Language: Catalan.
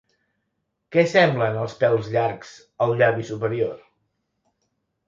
Què semblen els pèls llargs al llavi superior?